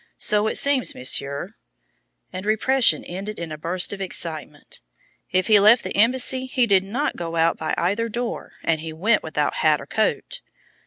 So it seems, Monsieur," and repression ended in a burst of excitement, "if he left the embassy he did not go out by either door, and he went without hat or coat!"